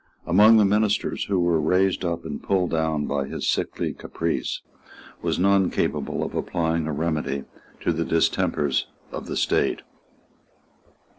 Among the ministers who were raised up and pulled down by his sickly caprice, was none capable of applying a remedy to the distempers of the State.